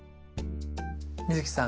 美月さん